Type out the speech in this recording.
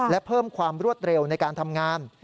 และเพิ่มความรวดเร็วในการทำงาน